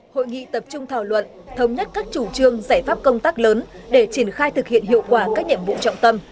hội nghị tập trung thảo luận thống nhất các chủ trương giải pháp công tác lớn để triển khai thực hiện hiệu quả các nhiệm vụ trọng tâm